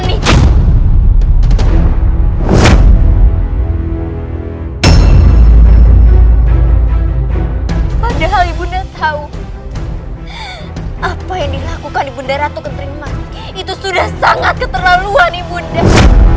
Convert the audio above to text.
itu sudah sangat keterlaluan ibu enggak